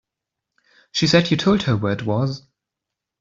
She said you told her where it was.